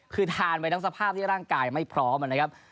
คือทานไปทั้งสภาพที่ร่างกายไม่พร้อมนะครับ